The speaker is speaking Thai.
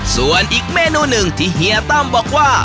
ส่วนอีกเมนูหนึ่งที่เฮียตั้มบอกว่า